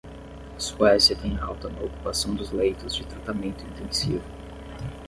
Suécia tem alta na ocupação dos leitos de tratamento intensivo